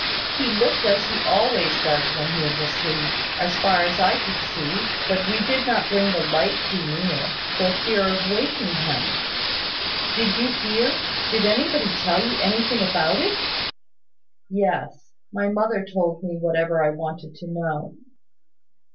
"He looked as he always does when he is asleep, as far as I could see. But we did not bring the light too near, for fear of waking him." "Did you hear did anybody tell you anything about it?" "Yes: my mother told me whatever I wanted to know."